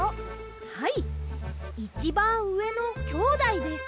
はいいちばんうえのきょうだいです。